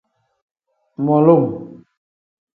Mulum.